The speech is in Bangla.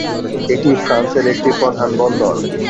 এটি ফ্রান্সের একটি প্রধান বন্দর।